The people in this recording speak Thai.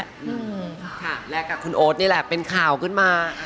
อืมค่ะแลกกับคุณโอ๊ตนี่แหละเป็นข่าวขึ้นมา